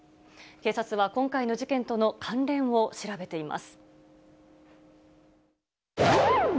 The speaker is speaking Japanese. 警察は今回の事件との関連を調べています。